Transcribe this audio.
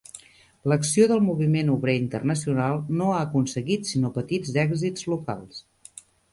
L'acció del moviment obrer internacional no ha aconseguit sinó petits èxits locals.